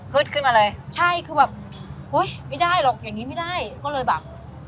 ขึ้นมาเลยใช่คือแบบเฮ้ยไม่ได้หรอกอย่างงี้ไม่ได้ก็เลยแบบ